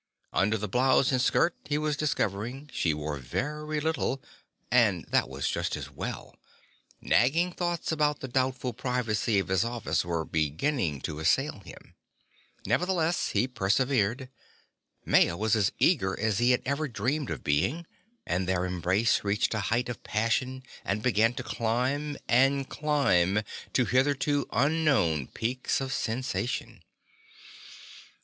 Under the blouse and skirt, he was discovering, she wore very little, and that was just as well; nagging thoughts about the doubtful privacy of his office were beginning to assail him. Nevertheless, he persevered. Maya was as eager as he had ever dreamed of being, and their embrace reached a height of passion and began to climb and climb to hitherto unknown peaks of sensation.